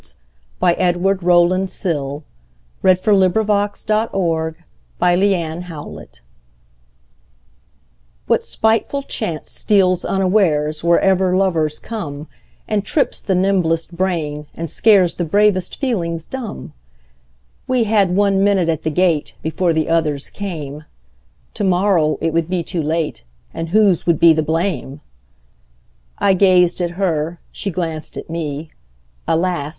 Edward Rowland Sill 1841–1887 Edward Rowland Sill 209 Momentous Words WHAT spiteful chance steals unawaresWherever lovers come, And trips the nimblest brain and scaresThe bravest feelings dumb? We had one minute at the gate, Before the others came; To morrow it would be too late, And whose would be the blame!I gazed at her, she glanced at me; Alas!